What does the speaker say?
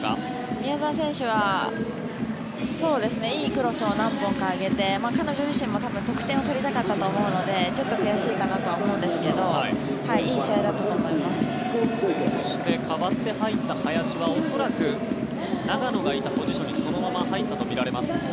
宮澤選手はいいクロスを何本か上げて彼女自身も多分得点を取りたかったと思うのでちょっと悔しいかなと思うんですがそして代わって入った林は恐らく、長野がいたポジションにそのまま入ったとみられます。